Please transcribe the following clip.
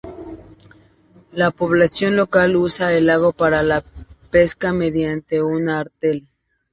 La población local usa el lago para la pesca mediante un artel.